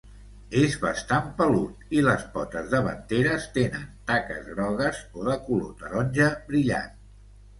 És bastant 'pelut', i les potes davanteres tenen taques grogues o de color taronja brillant.